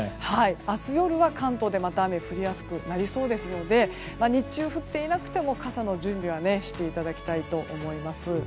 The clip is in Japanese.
明日夜は関東でまた雨降りやすくなりそうですので日中、降っていなくても傘の準備はしていただきたいと思います。